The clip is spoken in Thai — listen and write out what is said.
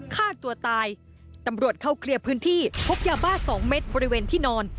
ฆ่าตัวตายตำรวจเข้าเคลียร์พื้นที่พบยาบ้าสองเม็ดบริเวณที่นอน